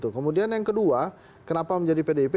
kemudian yang kedua kenapa menjadi pdip